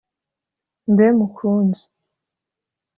mbe mukunzi!